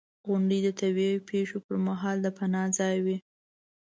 • غونډۍ د طبعي پېښو پر مهال د پناه ځای وي.